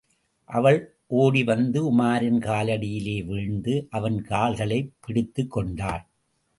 அவள் ஓடிவந்து உமாரின் காலடியிலேயே வீழ்ந்து, அவன் கால்களைப் பிடித்துக் கொண்டாள்.